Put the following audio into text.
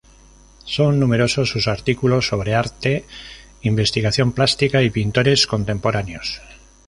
Son numerosos sus artículos sobre arte, investigación plástica y pintores contemporáneos.